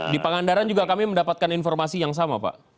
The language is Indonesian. di pangandaran juga kami mendapatkan informasi yang sama pak